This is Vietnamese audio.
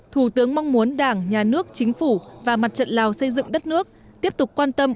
thủ tướng mong muốn đảng nhà nước chính phủ và mặt trận lào xây dựng đất nước tiếp tục quan tâm